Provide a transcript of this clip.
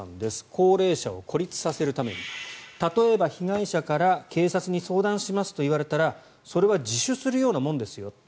高齢者を孤立させるために例えば、被害者から警察に相談しますと言われたらそれは自首するようなものですよと。